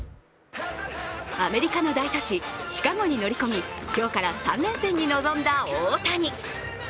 アメリカの大都市、シカゴに乗り込み今日から３連戦に臨んだ大谷。